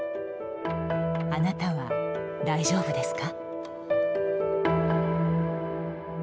あなたは大丈夫ですか？